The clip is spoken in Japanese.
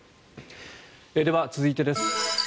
では、続いてです。